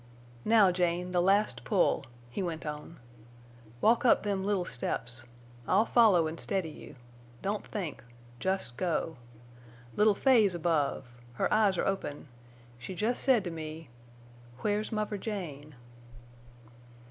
"Now, Jane, the last pull," he went on. "Walk up them little steps. I'll follow an' steady you. Don't think. Jest go. Little Fay's above. Her eyes are open. She jest said to me, '_Where's muvver Jane?